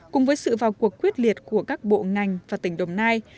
cùng với sự vào cuộc quyết liệt của các bộ ngành và tỉnh đồng nai